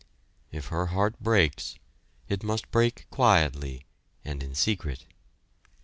If her heart breaks, it must break quietly, and in secret.